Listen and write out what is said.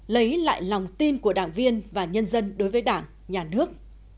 lấy lại lòng tin của đảng viên và nhân dân đối với đảng nhà nước